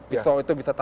pistau itu bisa tahan